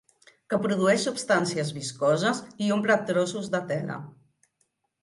Que produeix substàncies viscoses i omple trossos de tela.